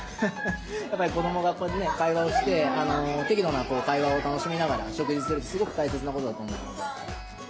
やっぱり子どもが会話をして、適度な会話を楽しみながら食事するのは、すごく大切なことだと思うので。